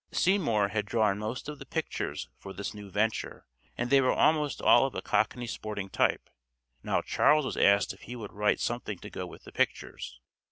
Seymour had drawn most of the pictures for this new venture, and they were almost all of a cockney sporting type. Now Charles was asked if he would write something to go with the pictures.